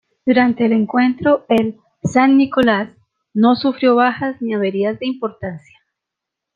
Durante el encuentro el "San Nicolás" no sufrió bajas ni averías de importancia.